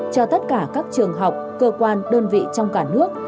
cho tất cả các trường học cơ quan đơn vị trong cả nước